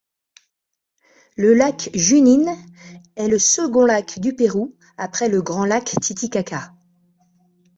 Le Lac Junín est le second lac du Pérou après le grand lac Titicaca.